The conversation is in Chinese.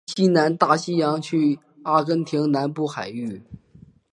分布于西南大西洋区阿根廷南部海域。